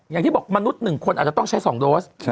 อย่างที่บอกมนุษย์๑คนอาจจะต้องใช้๒โดส